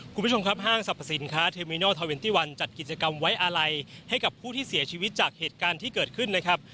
คุณผู้ชมครับห้างสรรพสินค้าเทอร์มินอลทอเวนตี้วันจัดกิจกรรมไว้อาลัยให้กับผู้ที่เสียชีวิตจากเหตุการณ์ที่เกิดขึ้นนะครับ